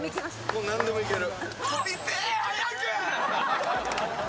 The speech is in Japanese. もう何でもいける。